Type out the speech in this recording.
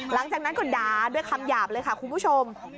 หลังจากนั้นก็ด่าด้วยคำหยาบเลยค่ะคุณผู้ชม